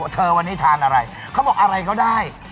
เธอวันนี้ทานอะไรเขาบอกอะไรก็ได้